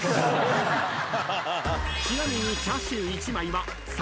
［ちなみに］